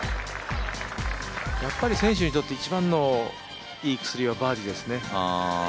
選手にとって一番のいい薬はバーディーですね。